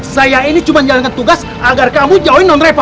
saya ini cuma jalankan tugas agar kamu jauhin non reva